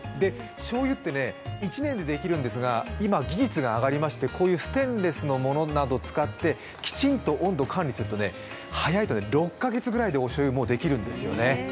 しょうゆって１年でできるんですが、今技術が上がりましてこういうステンレスのものなどを使ってきちんと温度を管理すると早いと６か月ぐらいで、もうおしょうゆができるんですよね。